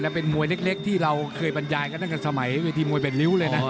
เป็นมวยเล็กที่เราเคยบรรยายกันตั้งแต่สมัยเวทีมวยเป็นริ้วเลยนะ